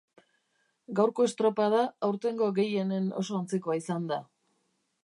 Gaurko estropada aurtengo gehienen oso antzekoa izan da.